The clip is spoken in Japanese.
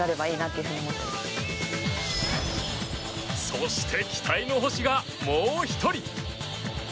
そして、期待の星がもう１人。